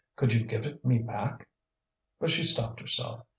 Could you give it me back?" But she stopped herself.